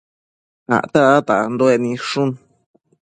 Acte dada tanduec nidshu